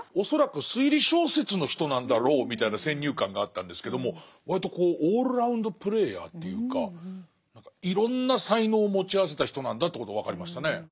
恐らく推理小説の人なんだろうみたいな先入観があったんですけども割とオールラウンドプレーヤーというかいろんな才能を持ち合わせた人なんだということが分かりましたね。